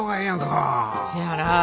せやなぁ。